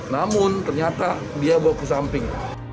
namun ternyata dia bawa ke samping